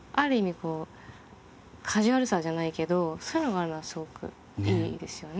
こうカジュアルさじゃないけどそういうのがあるのはすごくいいですよね。